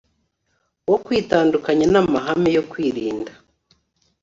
wo kwitandukanya namahame yo kwirinda